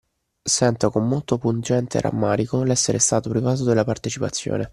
Sento con molto pungente rammarico l’essere stato privato della partecipazione